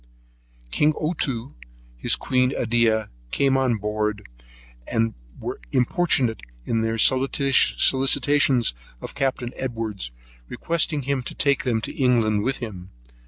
King Ottoo, and his queen Edea, came on board, and were very importunate in their solicitations to Capt. Edwards, requesting him to take them to England with him.